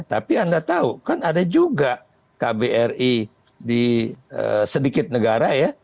tapi anda tahu kan ada juga kbri di sedikit negara ya